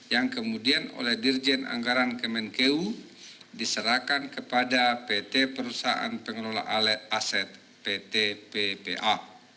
yang kemudian oleh dirjen anggaran kemenkeu diserahkan kepada pt perusahaan pengelola aset pt ppa